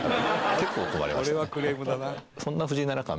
結構困りましたね。